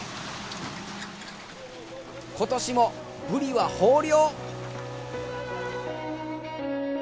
今年もブリは豊漁。